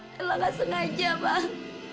nella gak sengaja bang